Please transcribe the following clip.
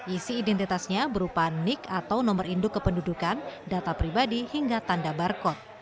isi identitasnya berupa nik atau nomor induk kependudukan data pribadi hingga tanda barcode